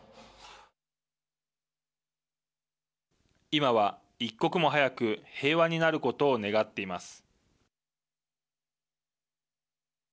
今は一刻も早く平和になることを願っています。